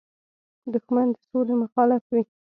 دښمن د سولې مخالف وي